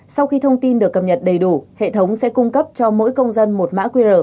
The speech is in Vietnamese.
sau khi thông tin được cập nhật đầy đủ hệ thống sẽ cung cấp cho mỗi công dân một mã qr